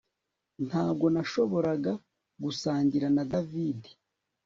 Ntabwo nashoboraga gusangira na David